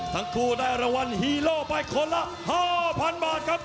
ทั้งคู่ได้รางวัลฮีโร่ไปคนละ๕๐๐๐บาทครับ